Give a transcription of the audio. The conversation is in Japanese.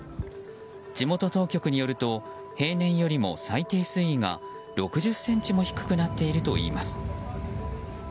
地元当局によると平年よりも最低水位が６０ｃｍ低くなっているといいます。